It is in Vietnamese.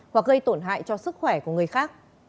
hoặc gây tổn hại cho sức khỏe của người khác